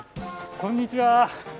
こんにちは。